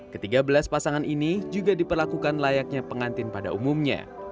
ketiga belas pasangan ini juga diperlakukan layaknya pengantin pada umumnya